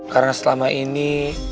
karena selama ini